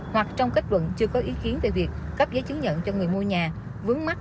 hoặc trong kết luận chưa có ý kiến về việc cấp giấy chứng nhận cho người mua nhà vướng mắt